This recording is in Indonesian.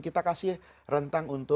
kita kasih rentang untuk